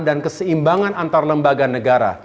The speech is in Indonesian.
dan keseimbangan antar lembaga negara